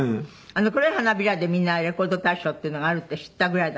『黒い花びら』でみんなレコード大賞っていうのがあるって知ったぐらいだもんね。